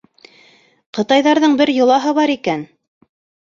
— Ҡытайҙарҙың бер йолаһы бар икән.